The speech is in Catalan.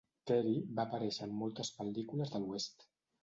Carey va aparèixer en moltes pel·lícules de l'oest.